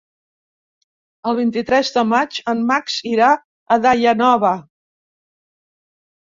El vint-i-tres de maig en Max irà a Daia Nova.